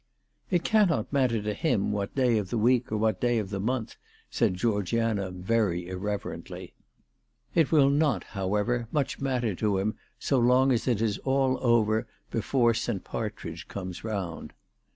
' It cannot matter to him what day of the week or what day of the month/ said Georgiana very irreverently. It will not, however, much matter to 366 ALICE DTJGDALE. him so long as it is all over before St. Partridge comes round.